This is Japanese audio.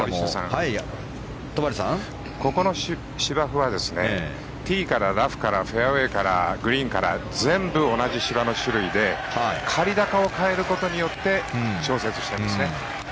ここの芝生はティーから、ラフからフェアウェーからグリーンから全部、同じ芝の種類で刈り高を変えることによって調節してるんですね。